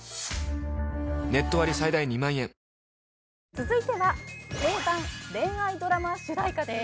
続いては定番恋愛ドラマ主題歌です。